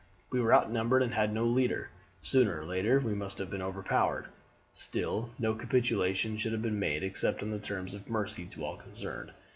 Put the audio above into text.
We were outnumbered and had no leader; sooner or later we must have been overpowered. Still, no capitulation should have been made except on the terms of mercy to all concerned.